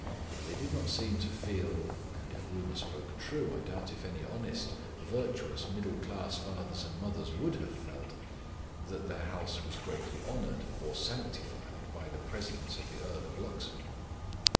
They did not seem to feel and, if rumour spoke true, I doubt if any honest, virtuous, middle class fathers and mothers would have felt that their house was greatly honoured or sanctified by the presence of the Earl of Luxmore.